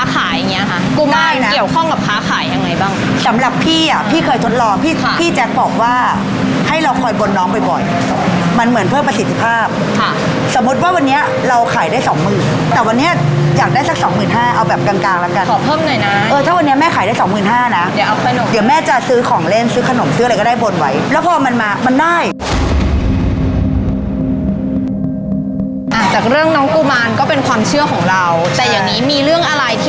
ไหนบ้างสำหรับพี่อะพี่เคยทดลองพี่พี่พี่แจ๊คบอกว่าให้เราคอยบนน้องบ่อยบ่อยมันเหมือนเพิ่มประสิทธิภาพค่ะสมมุติว่าวันนี้เราขายได้สองหมื่นแต่วันนี้อยากได้สักสองหมื่นห้าเอาแบบกลางกลางแล้วกันขอเพิ่มหน่อยนะเออถ้าวันนี้แม่ขายได้สองหมื่นห้านะเดี๋ยวเอาขนมเดี๋ยวแม่จะซื้อของเล่น